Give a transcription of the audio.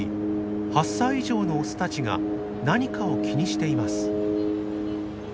８歳以上のオスたちが何かを気にしています。